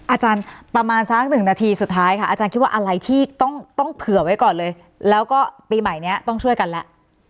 อาจารย์ประมาณสักหนึ่งนาทีสุดท้ายค่ะอาจารย์คิดว่าอะไรที่ต้องเผื่อไว้ก่อนเลยแล้วก็ปีใหม่นี้ต้องช่วยกันแล้ว